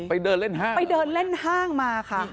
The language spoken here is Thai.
เดินเล่นห้างไปเดินเล่นห้างมาค่ะ